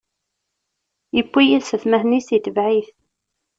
Iwwi yid-s atmaten-is, itebɛ-it;